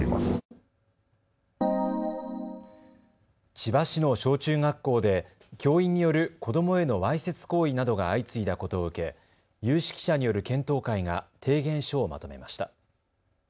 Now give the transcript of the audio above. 千葉市の小中学校で教員による子どもへのわいせつ行為などが相次いだことを受け、有識者による検討会が提言書をまとめました。